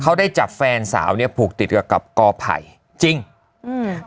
เขาได้จับแฟนสาวเนี้ยผูกติดกับกับกอไผ่จริงอืม